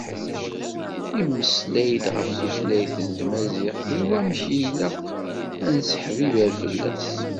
Yemmeslay-d ɣef tutlayt n Tmaziɣt d wamek i ilaq ad nesseḥbiber fell-as.